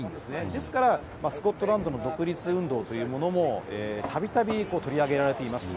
ですから、スコットランドの独立運動というものも、たびたび取り上げられています。